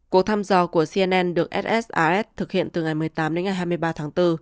cuộc thăm dò của cnn được ssas thực hiện từ ngày một mươi tám đến ngày hai mươi ba tháng bốn